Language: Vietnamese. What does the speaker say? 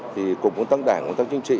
thì cục công tác đảng công tác chính trị